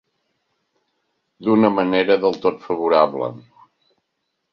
D'una manera del tot favorable.